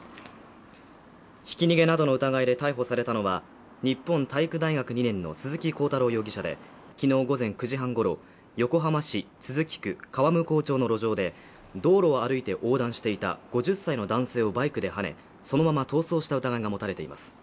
ひき逃げなどの疑いで逮捕されたのは日本体育大学２年の鈴木幸太郎容疑者で昨日午前９時半ごろ横浜市都筑区川向町の路上で道路を歩いて横断していた５０歳の男性をバイクではねそのまま逃走した疑いが持たれています